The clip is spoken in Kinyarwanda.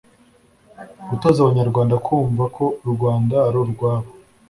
Gutoza abanyarwanda kumva ko u rwanda ari urwabo